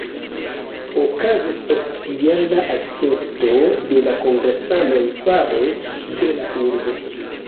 Okazis oficiala akcepto de la kongresanoj fare de la urbo.